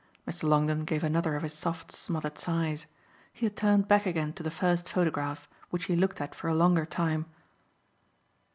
Mr. Longdon gave another of his soft smothered sighs; he had turned back again to the first photograph, which he looked at for a longer time.